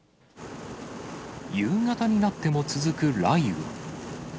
夕方になっても続く雷雨。